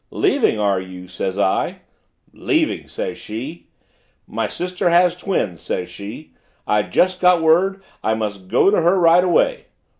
'Leaving, are you?' says I. 'Leaving,' says she. 'My sister has twins,' says she. 'I just got word I must go to her right away.'